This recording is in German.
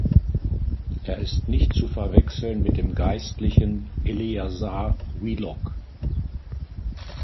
Er ist nicht zu verwechseln mit dem Geistlichen Eleazar Wheelock.